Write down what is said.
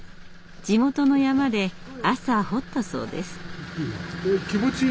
地元の山で朝掘ったそうです。